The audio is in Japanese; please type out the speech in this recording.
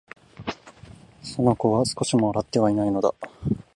この子は、少しも笑ってはいないのだ